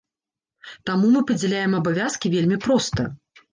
Таму мы падзяляем абавязкі вельмі проста.